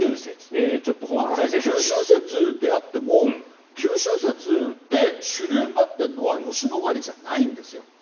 九州説であっても九州説で主流になってるのは吉野ヶ里じゃないんですよ。